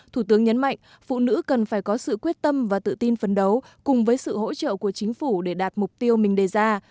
thủ tướng nhấn mạnh phụ nữ cần phải có sự quyết tâm và tự tin phấn đấu cùng với sự hỗ trợ của chính phủ để đạt mục tiêu mình đề ra